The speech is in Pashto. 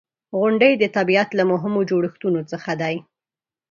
• غونډۍ د طبیعت له مهمو جوړښتونو څخه دي.